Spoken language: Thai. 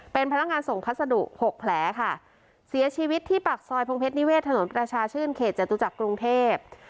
เป็นพนักงานส่งพัสดุหกแผลค่ะเสียชีวิตที่ปากซอยพงเพชรนิเวศถนนประชาชื่นเขตจตุจักรกรุงเทพ